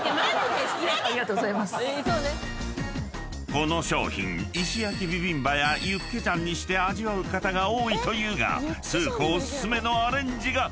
［この商品石焼きビビンバやユッケジャンにして味わう方が多いというがスー子お薦めのアレンジが］